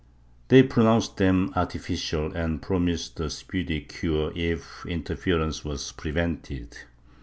They pronounced them artificial and promised a speedy cure if interference was prevented.